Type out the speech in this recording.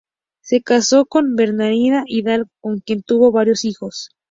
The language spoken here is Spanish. Se casó con Bernardina Hidalgo con quien tuvo varios hijos.